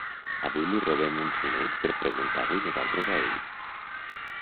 Avui li robem uns minuts per preguntar-li nosaltres a ell.